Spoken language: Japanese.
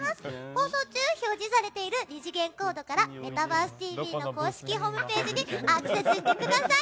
放送中、表示されている２次元コードから「メタバースＴＶ！！」の公式ホームページでアクセスしてください。